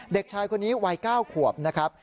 เด็กชายคนนี้วัย๙ขวบนะครับ